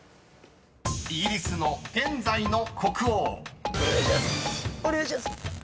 ［イギリスの現在の国王］